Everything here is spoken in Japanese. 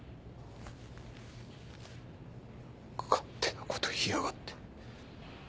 勝手なこと言いやがって。